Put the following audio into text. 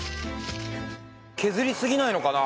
削りすぎないのかな？